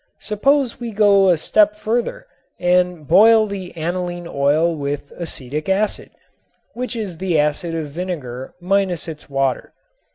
Suppose we go a step further and boil the aniline oil with acetic acid, which is the acid of vinegar minus its water.